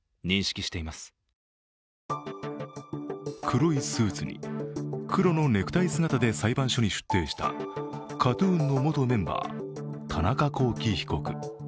黒いスーツに黒いネクタイ姿で裁判所に出廷したＫＡＴ−ＴＵＮの元メンバー田中聖被告。